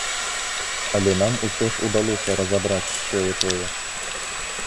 Але нам усё ж удалося разабраць сёе-тое.